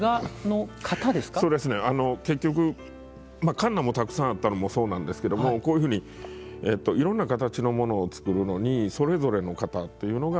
結局かんなもたくさんあったのもそうなんですけどもこういうふうにいろんな形のものを作るのにそれぞれの型というのがたくさん。